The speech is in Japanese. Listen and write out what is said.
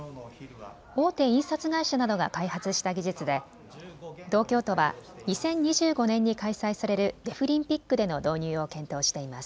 大手印刷会社などが開発した技術で東京都は２０２５年に開催されるデフリンピックでの導入を検討しています。